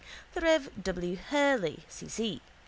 the rev. W. Hurley, C. C.